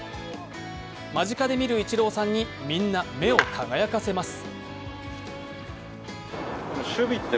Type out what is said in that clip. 間近で見るイチローさんにみんな目を輝かせます。